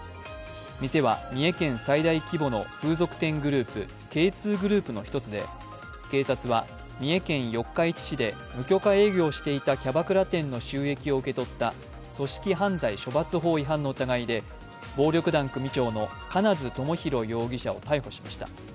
店は三重県最大規模の風俗店グループＫ２グループの１つで、警察は三重県四日市市で無許可営業していたキャバクラ店の収益を受け取った組織犯罪処罰法違反の疑いで暴力団組長の金津朋大容疑者を逮捕しました。